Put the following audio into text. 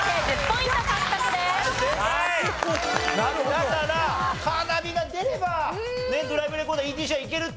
だからカーナビが出ればドライブレコーダーＥＴＣはいけると思ったのよ。